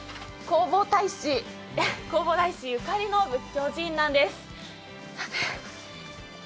弘法大師ゆかりの仏教寺院なんです。